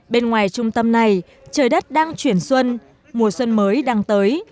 bên ngoài trung tâm này trời đất đang chuyển xuân mùa xuân mới đang tới